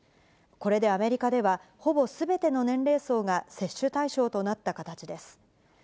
これでアメリカでは、ほぼすべての年齢層が接種対象となった形です。